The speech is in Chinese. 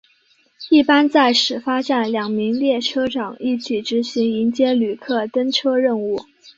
一般在始发站两名列车长一起执行迎接旅客登车任务。